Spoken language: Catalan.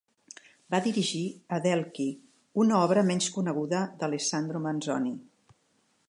Va dirigir "Adelchi", una obra menys coneguda d'Alessandro Manzoni.